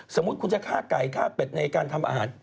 สมมุติคุณจะฆ่าไก่ฆ่าเป็ดในการทำอาหาร